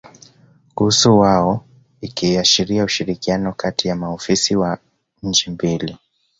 kuhusu wao ikiashiria ushirikiano kati ya maofisa wa nchi mbili